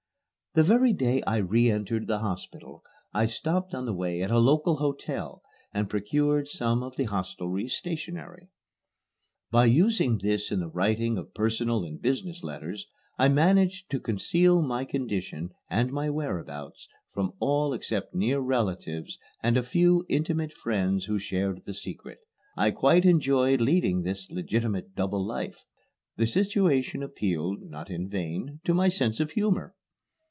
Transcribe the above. The very day I re entered the hospital I stopped on the way at a local hotel and procured some of the hostelry's stationery. By using this in the writing of personal and business letters I managed to conceal my condition and my whereabouts from all except near relatives and a few intimate friends who shared the secret. I quite enjoyed leading this legitimate double life. The situation appealed (not in vain) to my sense of humor.